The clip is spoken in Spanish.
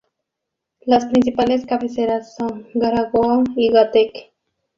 Las principales cabeceras son Garagoa y Guateque.